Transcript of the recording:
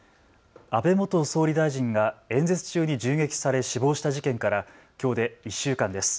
安倍元総理大臣が演説中に銃撃され死亡した事件からきょうで１週間です。